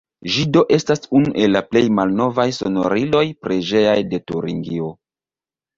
Ĝi do estas unu el la plej malnovaj sonoriloj preĝejaj de Turingio.